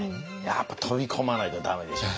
やっぱ飛び込まないと駄目でしょう。